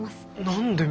何で？